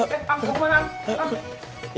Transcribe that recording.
eh amp mau ke mana amp